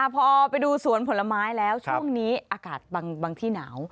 พอไปดูสวนผลไม้แล้วช่วงนี้อากาศบางที่หนาว